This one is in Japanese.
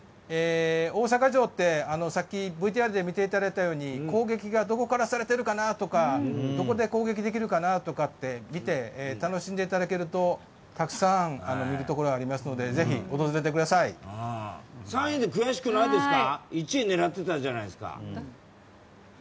大阪城って、さっきＶＴＲで見ていただいたように攻撃がどこからされてるかなとかどこで攻撃できるかなとか見て楽しんでいただけるとたくさん見るところありますので３位で悔しくないですか？